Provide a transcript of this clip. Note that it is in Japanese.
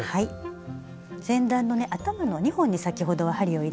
はい。